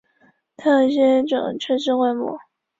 一般外族。